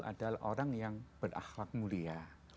adalah orang yang berakhlak mulia